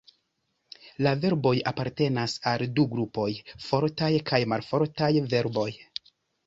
La verboj apartenas al du grupoj, fortaj kaj malfortaj verboj.